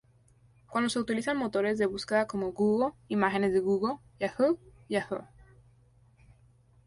Cuando se utilizan motores de búsqueda como Google, imágenes de Google, Yahoo!, Yahoo!